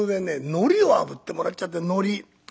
のりをあぶってもらっちゃってのり。